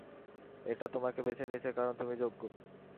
এটা তোমাকে বেছে নিয়েছে কারণ তুমি যোগ্য।